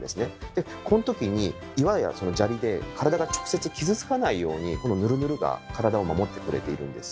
でこの時に岩や砂利で体が直接傷つかないようにヌルヌルが体を守ってくれているんです。